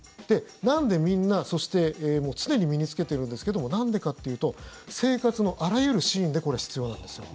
なんでみんな、そして常に身に着けてるんですけどもなんでかというと生活のあらゆる支援でこれ、必要なんですよ。